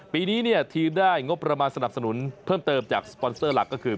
ปีนี้เนี่ยทีมได้งบประมาณสนับสนุนเพิ่มเติมจากสปอนเซอร์หลักก็คือ